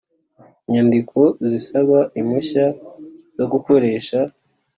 Nyandiko zisaba impushya zo gukoresha